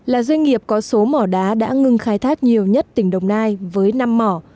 là doanh nghiệp có số mỏ đá đã ngừng khai thác nhiều nhất tỉnh đồng nai với năm mỏ